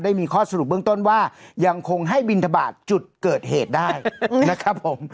ได้มีข้อสรุปเบื้องต้นว่ายังคงให้บินทบาทจุดเกิดเหตุได้นะครับผม